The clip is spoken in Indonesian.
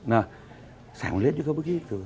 nah saya melihat juga begitu